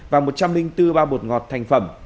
và một trăm linh bốn bao bột ngọt thành phẩm